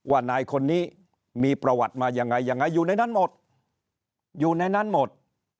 ว่านายคนนี้มีประวัติมายังไงยังไงอยู่ในนั้นหมดอยู่ในนั้นหมด